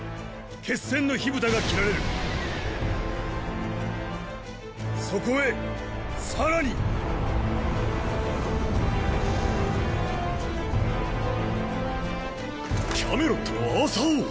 決戦の火蓋が切られるそこへ更にキャメロットのアーサー王⁉